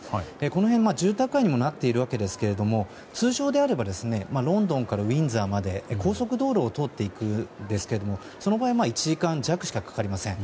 この辺、住宅街にもなっているわけですけれども、通常であればロンドンからウィンザーまで高速道路を通っていくんですがその場合１時間弱しかかかりません。